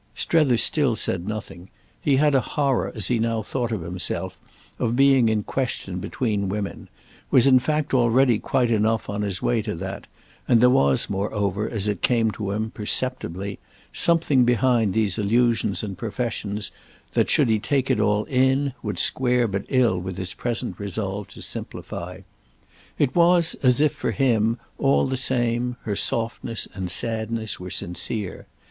Strether still said nothing; he had a horror, as he now thought of himself, of being in question between women—was in fact already quite enough on his way to that, and there was moreover, as it came to him, perceptibly, something behind these allusions and professions that, should he take it in, would square but ill with his present resolve to simplify. It was as if, for him, all the same, her softness and sadness were sincere.